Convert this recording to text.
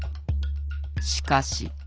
しかし。